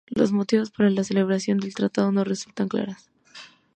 Los motivos para la celebración del tratado no resultan claras.